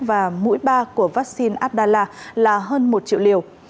và mũi ba của vaccine abdallah là hơn một triệu liều